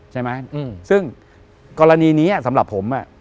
ใช่ไหมซึ่งกรณีนี้สำหรับผม